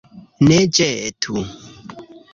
Ne ĵetu!